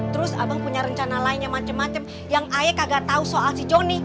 terus abang punya rencana lainnya macem macem yang ayah kagak tahu soal si jonny